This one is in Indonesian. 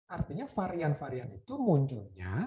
artinya varian yang muncul nya